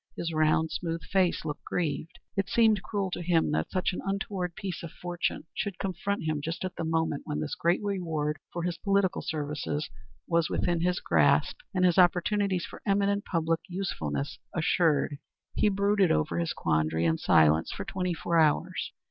His round, smooth face looked grieved. It seemed cruel to him that such an untoward piece of fortune should confront him just at the moment when this great reward for his political services was within his grasp and his opportunities for eminent public usefulness assured. He brooded over his quandary in silence for twenty four hours.